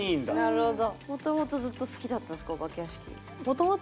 なるほど。